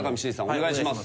お願いします。